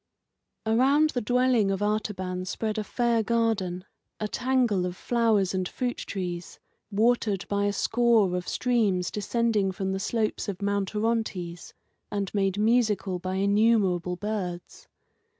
Around the dwelling of Artaban spread a fair garden, a tangle of flowers and fruit trees, watered by a score of streams descending from the slopes of Mount Orontes, and made musical by innumerable birds.